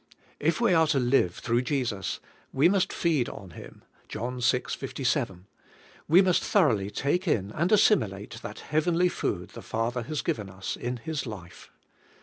If we are to live through Jesus, we must feed on Him {John vi, 57) ; we must thoroughly take in and as similate that heavenly food the Father has given us in His life.